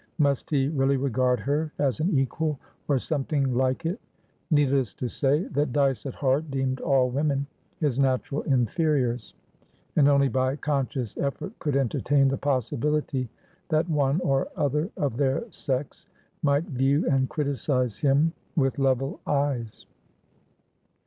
Must he really regard her as an equal, or something like it? Needless to say that Dyce at heart deemed all women his natural inferiors, and only by conscious effort could entertain the possibility that one or other of their sex might view and criticise him with level eyes.